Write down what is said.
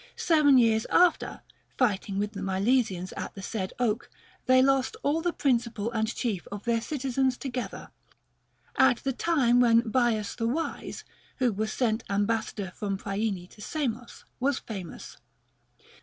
Seven years after, fighting with the Milesians at the said oak, they lost all the prin cipal and chief of their citizens together, at the time when Bias the Wise (who was sent ambassador from Priene to Samos) was famous.